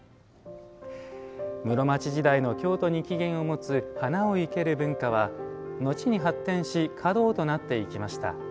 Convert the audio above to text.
室町時代の京都に起源を持つ花を生ける文化は後に発展し華道となっていきました。